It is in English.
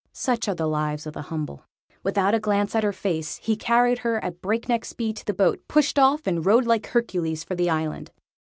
Such are the lives of the humble. Without a glance at her face, he carried her at breakneck speed to the boat pushed off, and rowed like Hercules for the island.